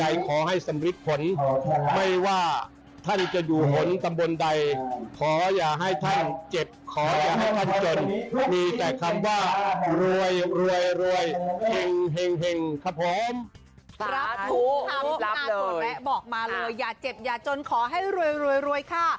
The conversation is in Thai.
อย่าเจ็บอย่าจนขอให้รวยค่ะ